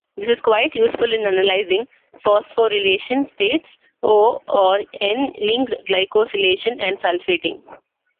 This is quite useful in analyzing phosphorylation states, O- or N-linked glycosylation, and sulfating.